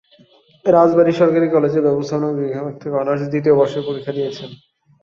রাজবাড়ী সরকারি কলেজে ব্যবস্থাপনা বিভাগ থেকে অনার্স দ্বিতীয় বর্ষের পরীক্ষা দিয়েছেন।